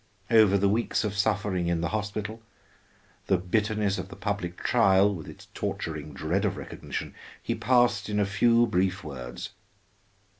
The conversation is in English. Over the weeks of suffering in the hospital, the bitterness of the public trial with its torturing dread of recognition, he passed in a few brief words.